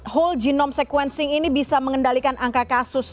whole genome sequencing ini bisa mengendalikan angka kasus